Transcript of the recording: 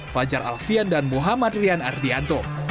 fajar alfian dan mohamad rian ardian